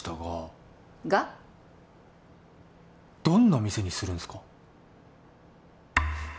どんな店にするんすか？